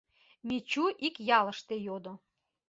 — Мичу ик ялыште йодо.